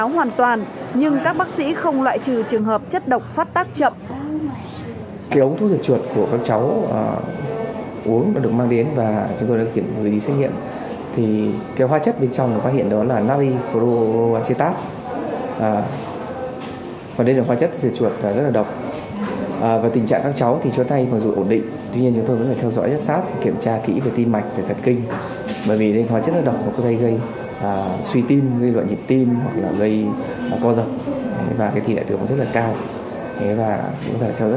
hiện các cháu đã tỉnh táo hoàn toàn nhưng các bác sĩ không loại trừ trường hợp chất động phát tác chậm